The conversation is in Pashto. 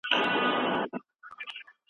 ترافیکي ګڼه ګوڼه د خلګو وخت ضایع کوي.